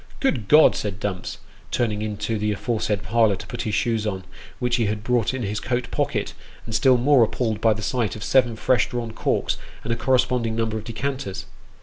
" Good God !" said Dumps, turning into the aforesaid parlour to put his shoes on, which he had brought in his coat pocket, and still more appalled by the sight of seven fresh drawn corks, and a corre sponding number of decanters.